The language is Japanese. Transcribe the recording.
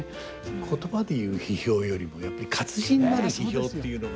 言葉で言う批評よりもやっぱり活字になる批評っていうのが。